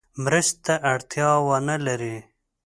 مرستې ته اړتیا ونه لري.